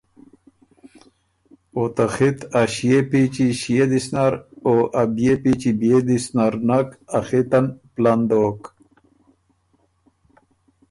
او ته خط ا ݭيې پیچی ݭيې دِس نر او ا بيې پیچی بيې دِس نر نک ا خِط پلن دوک۔